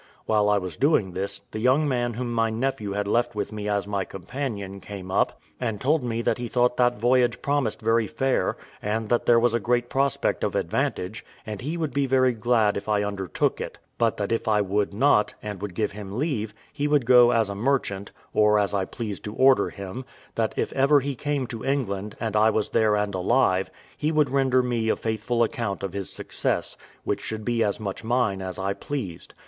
While I was doing this, the young man whom my nephew had left with me as my companion came up, and told me that he thought that voyage promised very fair, and that there was a great prospect of advantage, and he would be very glad if I undertook it; but that if I would not, and would give him leave, he would go as a merchant, or as I pleased to order him; that if ever he came to England, and I was there and alive, he would render me a faithful account of his success, which should be as much mine as I pleased.